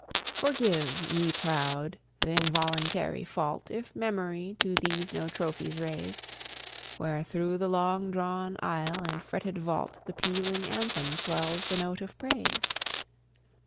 Forgive, ye Proud, th' involuntary fault If Memory to these no trophies raise, Where thro' the long drawn aisle and fretted vault The pealing anthem swells the note of praise.